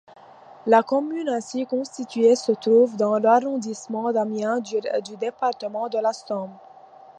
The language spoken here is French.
La commune ainsi constituée se trouve dans l'arrondissement d'Amiens du département de la Somme.